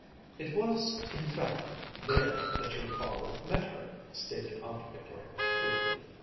"It was, in fact, there that your father met her," stated Aunt Victoria briefly.